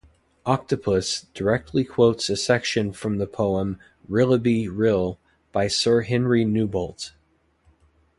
"Octopus" directly quotes a section from the poem "Rilloby-Rill" by Sir Henry Newbolt.